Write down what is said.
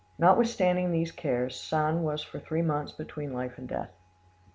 Notwithstanding these cares, Sand was for three months between life and death.